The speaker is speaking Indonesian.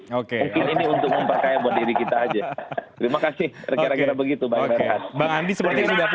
mungkin ini untuk memperkaya buat diri kita aja